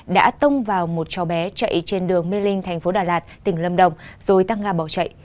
đã tông vào một cháu bé chạy trên đường mê linh thành phố đà lạt tỉnh lâm đồng rồi tăng ga bỏ chạy